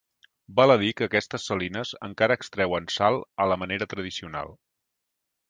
Val a dir que aquestes salines encara extreuen sal a la manera tradicional.